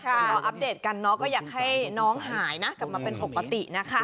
ก็อัปเดตกันเนาะก็อยากให้น้องหายนะกลับมาเป็นปกตินะคะ